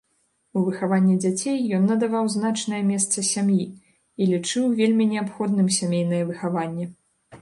У выхаванні дзяцей ён надаваў значнае месца сям'і і лічыў вельмі неабходным сямейнае выхаванне.